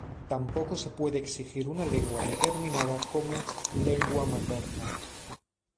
Tampoco se puede exigir una lengua determinada como lengua materna.